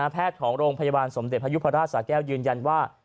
แพทย์ของโรงพยาบาลสมเด็จพยุพราชสาแก้วยืนยันว่า